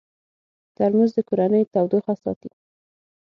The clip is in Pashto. ترموز د کورنۍ تودوخه ساتي.